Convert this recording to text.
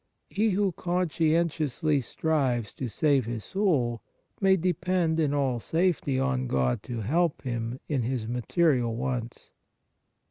He who conscientiously strives to save his soul, may depend in all safety on God to help him in his ma terial wants.